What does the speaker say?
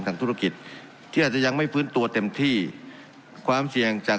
ธุรกิจที่อาจจะยังไม่ฟื้นตัวเต็มที่ความเสี่ยงจาก